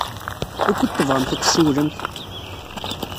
Wukud tebɣamt ad tessiwlemt?